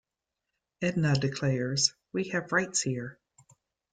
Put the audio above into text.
Edna declares, We have rights here.